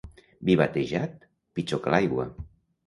Vi batejat, pitjor que l'aigua.